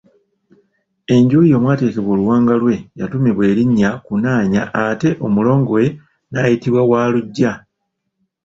Enju ye omwateekebwa oluwanga lwe yatuumibwa erinnya Kkunnaanya ate omulongo we n'ayitibwa Walugya.